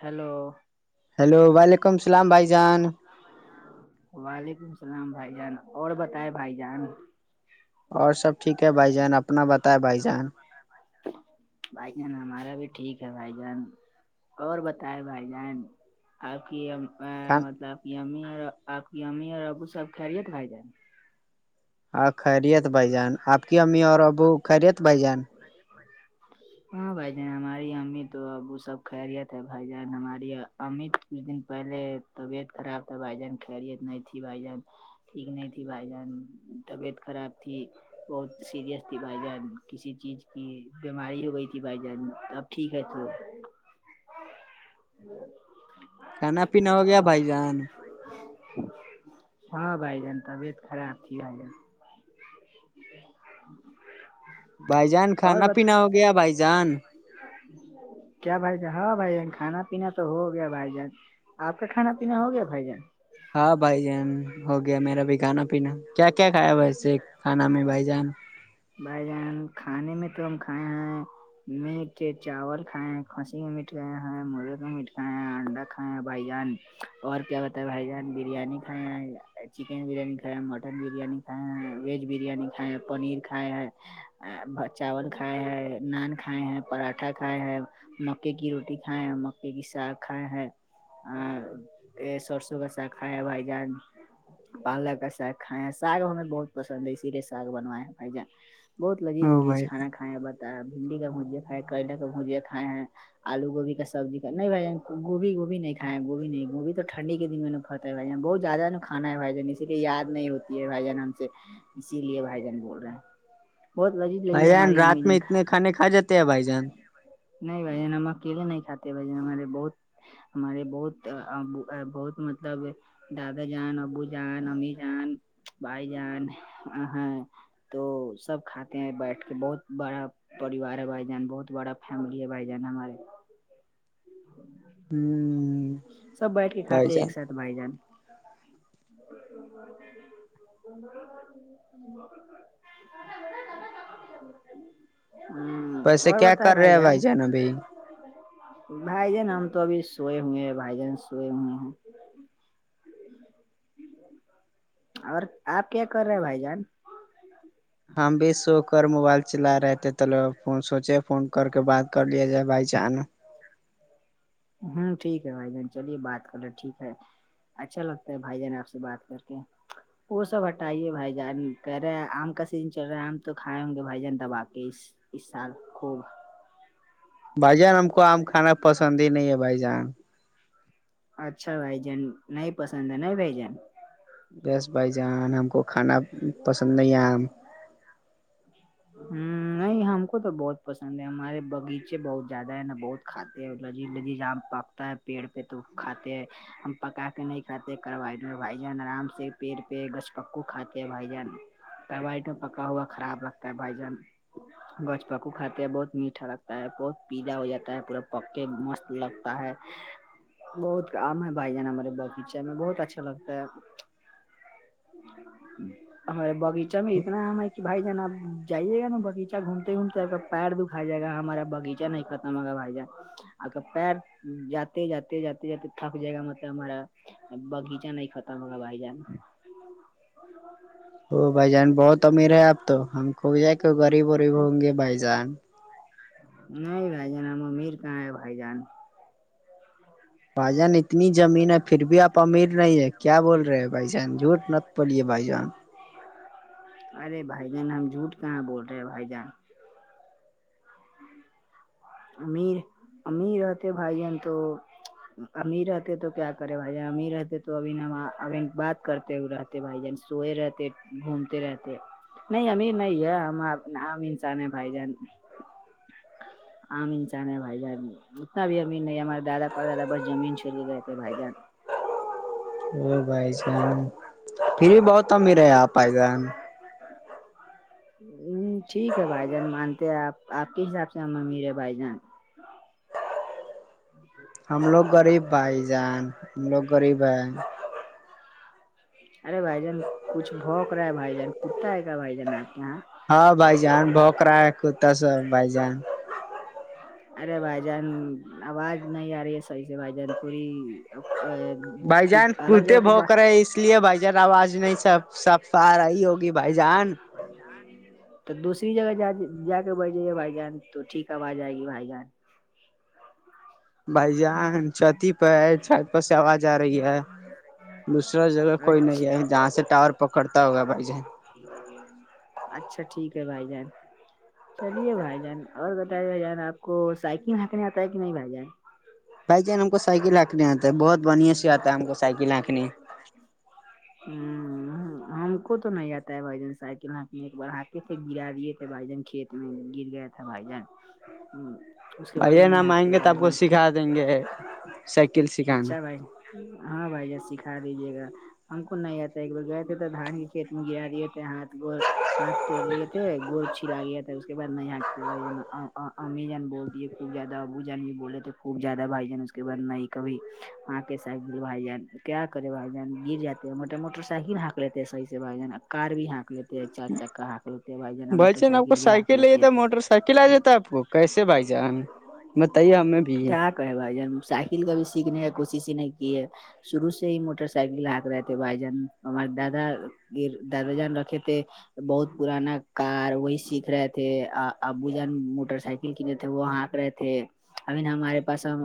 hello hello وعلیکم السلام بھائی جان وعلیکم اللام بھائی جان اور بتائے بھائی جان اور سب ٹھیک ہے بھائی جان اپنا بتاائے بھائی جان بھائی جان ہمارا بھی ٹھیک ہے بھائی جان اور بتائے بھائی جان آپ کی خان مطل آپ کی می آپ کی می اور ابو سب خیریتائی جائے گا ہاں خیریت بھائی جان آپ کی امی اور ابو خیریت بھ جان [unintelligible] ہاں بھائی جان ہماری امی تو ابو سب خیریت تھ بھائی جان ہماری امی کچھ دن پہلے طبیعت خراب تھا بھائی جان خیرییت نہیں تھی بھائی جان ٹھیک نہیں تھی بھائی جان طبیعت خراب تھی بہت سیریئس تھی بھائی جان کسی چیز کی بیماری ہو گئی تھی بھائی جان اب ٹھیک ہے تھ [unintelligible] ہوں کھانا پینا ہو گیا بھائی جان ہاں بھائی جان طبیعت خراب تھی بھائی جان [unintelligible] بھائی جان اور کھانا ب پینا ہو گیا بھائی جان کیا بھائی جان ہاں بھائی جان کھانا پینا تو ہو گیا بھائی جان آپ کا کھانا پینا ہو گیا بھائی جان ہاں بھائی جان ہو گیا میرا بھی کھانا پینا کیا کیا کھیا وسے کھانا میں بھائی جان بھائی جان کھانے میں تو ہم کھائے ہیں میٹ چاول کھائے ہیں کھانسی کا میٹ کھاائے ہیں مرے کا میٹ کھائے ہیں انڈا کھائے ہیں بھائی جان اور کیا بت ہے بائی جان بریانی کھا ہے چکن بریانی کھائے مٹن مٹن بریانی کھائے ہیں ویج بریانی کھائے ہیں پنیر کھائے ہیں چاول کھائے ہیں نان کھائے ہیں پراٹھا کھائے ہیں مکے کی روٹی کھائے ہیں مکے کی ساگ کھائے ہیں آ یہ سرسو گسا کھائا بھائی جان پالا گسا کھائے ساگ ہمیں بہت پسند ہے اسی لیے سگ بنوا ہیں بھائی جان بہت لذیذ او بھائی لذیجھانا کھ کھائے بتا بھنڈی کاھوجیا کھائے کرل کا بھجیاے کھائے ہیں آلو گوبھی کا سبزی کا نہیں بھائی گوبھی گوبھی نہیںھائےیں گوبھی نہیں گوھی تو ٹنڈی کے دن میں نے ہوتا ہے جا بہت زیادہ ن کھانا ہےھ جائا اسی لیےیار نہیں ہوتی ہے بھائی جان ہم سے اسی لیے بھائی جان بول رہے ہیں بہت مز لج بھائی جان ہماری رات میں امین کا اتنے کھانے کھا جاتے ہیں بھائی جان نہیں بھائی ج ہم اکیے نہیں کاتے بھائین ہمارے بہت ہمارے بہت ابو بہت مطلب دادا جان ابو جان امی جان بائی جان آ ہاں تو سب کھاتے ہیں بیٹھ کے بہت بڑا پریوار ہے بھائی جان بہت بڑا فیملی ہے بھائی جان ہمارے ہوں سب بیٹھ کے کھاتے ہیں ایک ساتھ بھائی جان ہ ویسے اور کیا بتائے کر رہے ہیں بھائی ار جان ابھی بھائی جان ہم تو ابھی سوئے ہوئے ہیں بھائی جان سوئے ہوئے ہیں اور آپ کیا کر رہے ہیں بھائی جان ہم بھی سو کر موبائل چلا رہے تھے تولو سوچے فون کر کے بات کر لیا جائے بھائی چان ہوں ٹھیک ہے بھائی بہن چلیے بات کر لو ٹھیک ہے اچھا لگتا ہے بھائی جان آپ سے بات کر کے وہ سب ہٹائیے بھائی جان کہہ رہے ہیں آم کا سیزن چل رہا ہے آم تو کھائے ہوں گے بھائی جان دبا کے اس سال خوب بھائی جان ہم کو آم کھانا پسند ہی نہیں ہے بھائی جان اچھا بھائی جان نہیں پسند ہے ن بھ جان بس بھائی جان ہم کو کھانا ہوں پسند نہیں ہے آم نہیں ہم کو تو بہت پسند ہے ہمارے بغیچے بہت زیادہ ہے نا بہت کاتے ہیں لی لیجام پ تا ہے پیڑ پہ تو کھاتے ہیں ہم پکا کے نہیں کھاتے کروا بھائی جان آرام سے پیڑ پہ گچ پکو کاتے بھائی جنبٹ پکا ہوا خراب لگتا ہے بھائی جن گچ پکو کھاتے بہت میٹھا لگتا ہے بہت پیلاا ہو جاتا ہے پورا پکے مست لگ ت بہت عم ہے بھائی جانا ہمارے باغیچے میں بہت اچھا لگتا ہے ہ ہمار بغیچہ میں اتنا ہے کہ بھائی جان آب جائیے گا نا بغیچہ گھومتے گھومتے ا پیر دکھایا جائے گا ہمارا بغیچہ نہیں ختم ہوگا بھائی جان اگر پیر جاتے جاتے جاتے جاتے تھک جائے گا مطلب ہمارا بگیچا نہیں ختم ہوگا بھائی جان وہ بھائی جان بہت امیر ہے اب تو ہم کو جائے غریب غریب ہوں گے بھائی جان نہیں بھائی جان ہم امیر کہاں ہے بھائی جان پاجن اتنی زمین ہے پھر بھی آپ امیر نہیں ہے کیا بول رہے ہیں بھائی جان جھوٹ نت بولیے بھائی جان ارے بھائی جان ہم جھوٹ کہاں بول رہے ہیں بھائی جان امیر امیر رہتے بھائی جن تو ام رہتے تو کیا کرے بھائی ا رہتے تو ابھی ن اب بات کرتے ہوئے رہتے بائی جانس سوئے رہتے گھومتے رہتے نہیں امیر نہیں ہے ہم عام انسان ہے بھائی جان آ انچان ہے بھ جائ اتنا بھی امین نہیں ہمارے دادا پر دادا بس زمین چھیڑ کے گئے تھے بھائی جان وہ بھائی جان پھر بھی بہت امیر ہے آپ پائے گا [unintelligible] ہ ٹھیک ہے بھائی جان مانتے ہیں آپ آپ کے حساب سے ہم ا میرے بھائی جان ہم لوگ غریب بھائی جان ہم لوگ غریب ہیں ارے بھائی جان کچھ بھوک رہا ہے بھائی جان کتا ہے کیا بھائی جان آپ کے یہاں ہاں بھائی جان بھوکرا ہے کتا س بھائی جان [unintelligible] ارے بھائی جان آواز نہیں آ رہی ہے صحیح سے بھائی جان تھوڑی بھائی جان کچھ الگ کرتے جگہ پہ بو بات کر رہا اس لیے بھائی جان آواز نہیں سب سب پ آ رہی ہوگی بھائی جان [unintelligible] تو دوسری جگہ جا کے بیج جے گا بھائی جان تو ٹھیک ہےب آج جائے گی بھائی جان [unintelligible] بھائی جان چھتی پہ ہے چھت پر سے آواز آ رہی ہے دوسرا جگہ کوئی اچھا نہیں ہے جہاں سے ٹاور پکڑتا ہوگا بھائی جان اچھا ٹھیک ہے بھائی جان چلیے بھائی جان اور بتائی بھائی جان آپ کو سائیکل ہہنکنے آتا ہے کہ نہیں بھائی جان بھائی جان ہم کو سائیکلنکھنے آتا ہے بہت بڑھیا سے آتا ہے ہم کو سائیکل آنکھنے ہوں ہم کو تو نہیں آتا ہے بھائی جان سائیکل ہ ایک بار آے تھے گرا دیے تھے بھائی جان کھیت گر گیا تھا بھائی جان ہ بھائی نہ مائئیں گے ت آب کو سکھا دیں گے سائیکل سکھائیں گے اچھا بھائی ہاں بھیا سکھا دیجیے گا ہم کو نہیں آتا ایک بار گئے تھے تو دھان کے کھیت میں گر رہی ہوتے ہاتھ گور ہاتھ توڑ لیے تھے گول چھلا گیا تھاے اس کے بعد نہیں ہنکتے بھائی امی جان بول دیے خوب زیادہ ابو جان بھی بولے تھے خوب زیادہ بھائی جان اس کے بد نہیں کبھی ہاںک سائیکل بھائی جان کیا کرے بھائی جان گر جاتے ہیں موٹ موٹر سائیکل ہانک لیتے ہیں صحیح سے بھائی جان کار بھی ہانک لی چار چککا ہا لیتے بھائینا بھائی موٹر جان آپ کو سائیکل بھی ہ کے لے لیتے تھا موٹر سائیکل آ جاتا ہے آپ کو کیسے بھائی جانان بتائیے ہمیں بھی کہ ب سائیکل کا بھی سیکھنے کا کوشش ہی نہیں کیے شرو سے ہی موٹر سائیکل لگ رہے تھے بھائی جان ہمارے دادا گ دادا جان رکھے تھے بہت پرانا کار وہی سیکھ رہے تھے ابو جان موٹر سائیکل کنے تھے وہ آاںک رہے تھے ابھی نا ہمارے پاس ہم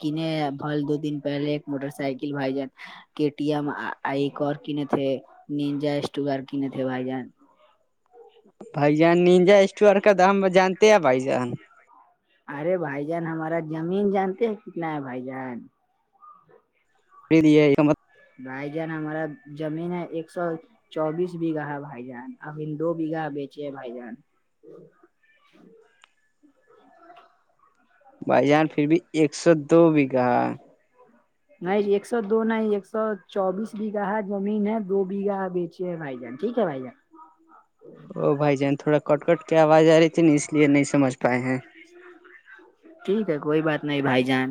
کینے پھل دو دن پہے ایک موٹر سائکل وائی جان ٹی ایم اور کینے تھے نینجا اسٹ کینے تھے بھائی جان بھائی جان نجا اسٹو ہرک تھا ہم جانتے ہیں بھائی جان ارے بھائی جان ہمارا زمین جانتے ہیں کتنا ہے بھائی جان پ ہے م بھائی جان ہمارا جمین ایک سو چوبیس بیگھا ہے بھائی جان ابھی دو بیگھہ بیچے بھائی جان بھائی جان پھر بھی ایک سو دو بیگا [unintelligible] نہیں ایک سو دو نہیں ایک سو چوبیس بیگھا ہے زمین ہے دو بیھہ بیچ بائی جان ٹیک ہے بائی جان او بھائی جان تھوڑا کٹ کٹ کی آواز آ رہی تھی ن اس لیے نہیں سمجھ پائے ہیں ٹھیک ہے کوئی بات نہیں بھائی جان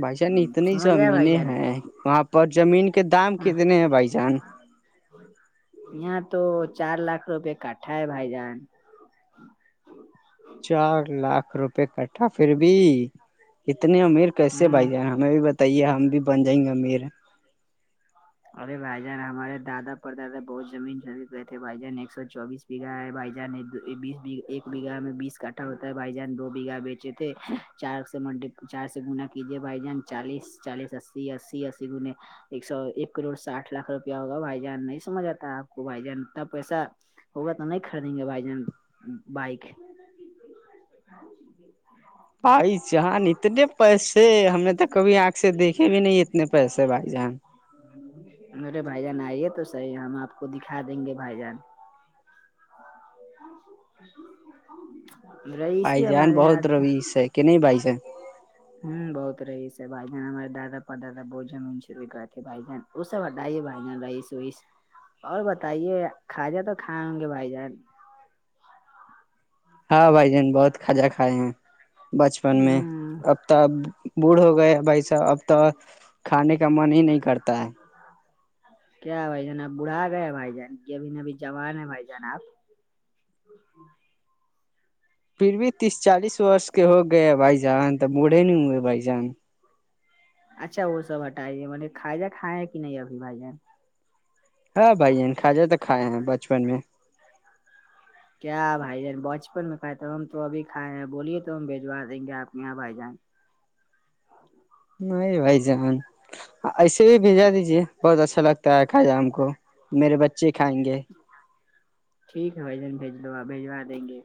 بھائی جان اتنی سمجھ آئے بھائی زمینیں جان ہیں وہاں پر زمین کے دام کتنے ہیں بھائی جان یہاں تو چار لاکھ روپئے کاٹھا ہے بھائی جان چار لاکھ روپے کٹھا پھر بھی اتنی امیر کیسے ہوں بھائی جان ہمیں بھی بتائیے ہم بھی بن جائیں گے امیر ارے بھائی جان ہمارے دادا پر دادا بہت زمین جم گئے تھے بھائی جان ایک سو چوبیس بیگہا ہے بھائی جان بیس بیا ایک بیگہ میں بیس کٹھا ہوتا ہے بھائی جان دو بیگھہ بیچے تھے چار سے منڈ چار سے گنا کیجیے بھائی جان چالیس چالیس اسی اسی اسی گنے ایک سو ایک کروڑ ساٹھ لاکھ روپیہ ہوگا بھائی جان نہیں سمجھ آتا آپ کو بھائی جان اتنا پیسہ ہوگا تو نہیں خریدیں گے بھائی جان بائک ج بھائی جان اتنے پیسے ہمیں تو کبھی آنکھ سے دیکھے بھی نہیں اتنے پیسے بھائی جان مے بھائی جان آئیے تو صحیح ہم آپ کو دکھا دیں گے بھائی جان [inaudible] رہیش بھائی جان ہمارے آج بہت رویش ہے کہ نہیں بھائی جان ہوں بہت رہیس ہے بھائی جان ہمارے دادا پر دادا بت زمین ش بھی کر بھائی جان وہ سب وڈا ہی ہے بھائی جان بائیس وس اور بتائیے کھاجا تو کھائ ہوں گے بھائی جان ہاں بھائی جان بہت کھجا کھائے ہیں بچپن میں ہ اب ت اب بوڑھ ہو گئے بھائی صاحب اب تو کھانے کا من ہی نہیں کرتا ہے کیا بھائی جان آپ بڑھا گئے ہیں بھائی جان یہب ن ابھی جوان ہے بھائی جان آپ پھر بھی تیس چالیس وورس کے ہو گئے بھائی جان تب بوڑھے نہیں ہوئے بھائی جان اچھا وہ سب ہٹائیے م کھ جا کھائےیں ہیں کہ نہیں ابھی بھائی جان ہاں بھائیین کھا جائے تو کھائے ہیں بچپن میں کیا بھائی جان بچپن میں کھائے تھا ہم تو ابھی کھائے ہیں بولیے تو ہم بھجوا دیں گے آپ کے یہاں بھائی جان نہیں بھائی جان ایسے بھی بھیجا دیجے بہت اچھا لگتا ہے کھا جا ہم کو میرے بچے کھائیں گے ٹھیک ہے بھائی جان بھیج دو آپ بجوا دیں گے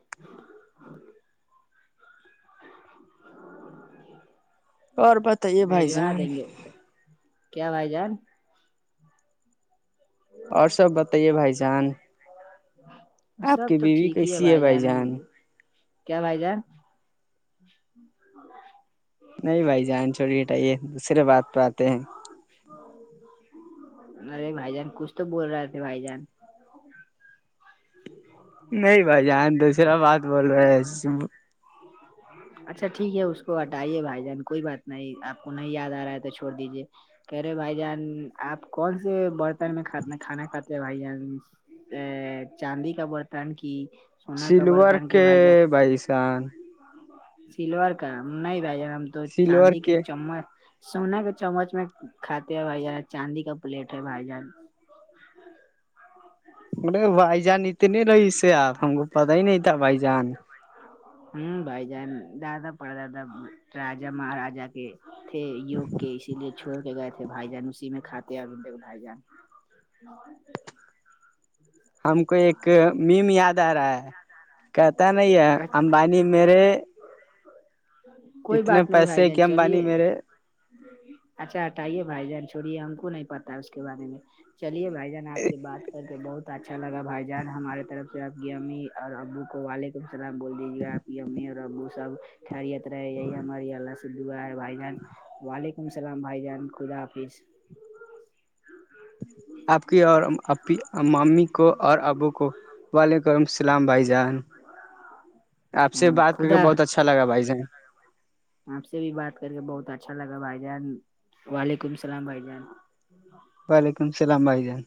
اور بتائیے بھائی بجوا جان دیں گے کیا بھائی جان اور سب بتائیے بھائی جان آپ سب کی تو بیوی ٹھیک ہی ہے کیسی بھائی جان کیا بھائی جان نہیں بھائی جان چھوڑی ہٹائیے دوسرے بات پہ آتے ہیں ارے بھائی جان کچھ تو بول رہے تھے بھائی جان نہیں بھائی جان دوسرا بات بول رہے ہیں اچھا ٹھیک ہے اس کو ہٹائیے بھائی جان کوئی بات نہیں آپ کو نہیں یاد آ رہا ہے تو چھوڑ دیجیے کہہ رہے بھائی جان آپ کون سے برتن میں کھ کھانا کھاتے ہیں بھائی جان ا چاندی کا برتن کی سونا کا سلور برتن کے کی بھائی جان بھائی جان سلور کا نہیں بھ جان ہم تو چاندی کے چمچ سونے کے چمچ میں کھاتے ہیں بھائی جان چاندی کا پلیٹ ہے بھائی جان مے بھائی جان اتنے رہی اس سے آپ ہم کو پتا ہی نہیں تھا بھائی جان ہوں بھائی جان دادا پڑا دادا راجا مہاراجا کے تھھر وکے اسی لیے چھوڑ کے گئے تھے بھائی جان اسی میں کھاتے ا بھائی جان ہم کو ایک میم یاد آ رہا ہے کہتا نہیں ہے امبانی میرے کوئی اتنے بات نہیں بھائی پیسے جان کہ امبانی چلیے میرے اچھا ہٹائیے بھائی جان چھوڑیے ہم کو نہیں پتا اس کے بارے میں چلیے بھائی جان آپ سے بات کر کے بہت اچھا لگا بھائی جان ہماری طرف سے اپ کی امی اور ابو کو وعلیکم السلام بول دیجیے یمی اور او سب ھریت رہے ہیں ہماری یہ ال سے دو بائی جان وعلیکم السلام بھائی جان خدا حافظ آپ کی اور ا مامی کو اور ابو وعلیکم اللام بھائی جان آپ سے بات کر کے خدا بہت اچھا اچھاگا بائی آپ سے بھی بات کر کے بہت اچھا لگا بھائی جان وعلیکم السلام بھائی جان [unintelligible] وعلیکم السلام بھائی جان